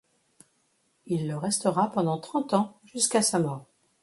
Il le restera pendant trente ans, jusqu’à sa mort.